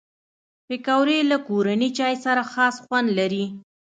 پکورې له کورني چای سره خاص خوند لري